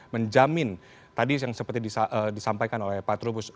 menjamin tadi yang seperti disampaikan oleh pak trubus